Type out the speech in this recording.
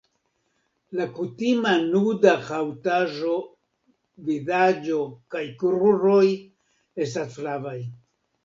La kutima nuda haŭtaĵo vizaĝo kaj kruroj estas flavaj.